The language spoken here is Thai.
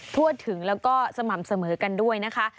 ทั่วถึงแล้วก็สม่ำเสมอกันด้วยนะคะ